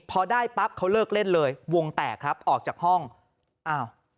พอได้ปั๊บเขาเลิกเล่นเลยวงแตกครับออกจากห้องอ้าว